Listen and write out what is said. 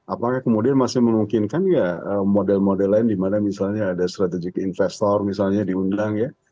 apakah kemudian masih memungkinkan ya model model lain dimana misalnya ada strategic investor misalnya diundang ya